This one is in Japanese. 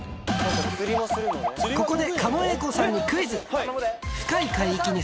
［ここで］